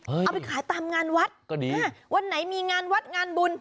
เอาไปขายตามงานวัดก็ดีอ่าวันไหนมีงานวัดงานบุญ